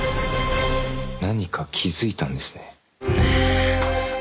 「何か気付いたんですね」